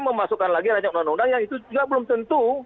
memasukkan lagi rancangan undang undang yang itu juga belum tentu